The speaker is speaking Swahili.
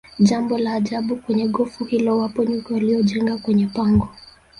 Jambo la ajabu kwenye gofu hilo wapo nyuki waliojenga kwenye pango